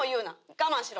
我慢しろ。